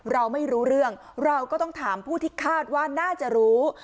เราไม่รู้เรื่องเราก็ต้องถามผู้ที่คาดว่าน่าจะรู้